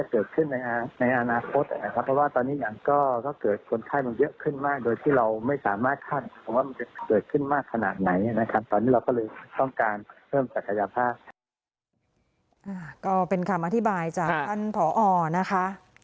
ก็เป็นคำอธิบายจากท่านผอนะคะ